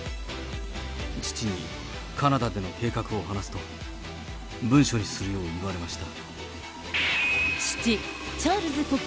父にカナダでの計画を話すと、文書にするよう言われました。